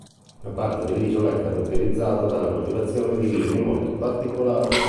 Una parte dell'isola è caratterizzata dalla coltivazione di vigne molto particolari.